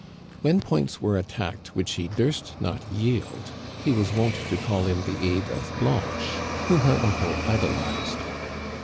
When points were attacked which he durst not yield he. was wont to call in the aid of Blanche, whom her uncle idol ized.